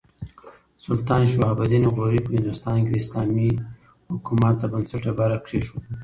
سلطان شهاب الدین غوري په هندوستان کې د اسلامي حکومت د بنسټ ډبره کېښوده.